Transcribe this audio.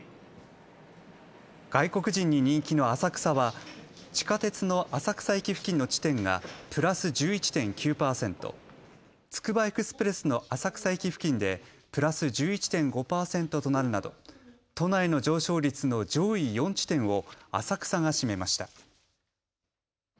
外国人に人気の浅草は地下鉄の浅草駅付近の地点がプラス１１．９％、つくばエクスプレスの浅草駅付近でプラス１１．５％となるなど都内の上昇率の上位４地点を浅草が占めました。